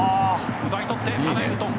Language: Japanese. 奪い取ってアダイウトン。